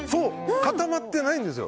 固まってないんですよ。